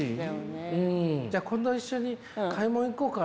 じゃあ今度一緒に買い物行こうかしら。